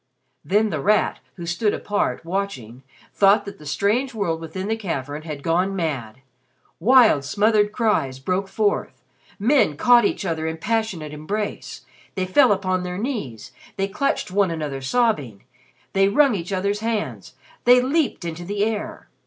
Then The Rat, who stood apart, watching, thought that the strange world within the cavern had gone mad! Wild smothered cries broke forth, men caught each other in passionate embrace, they fell upon their knees, they clutched one another sobbing, they wrung each other's hands, they leaped into the air.